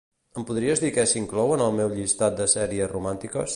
Em podries dir què s'inclou en el meu llistat de sèries romàntiques?